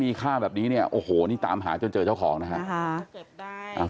มีฆ่าแบบนี้เนี่ยโอ้โหนี่ตามหาจนเจอเจ้าของนะฮะ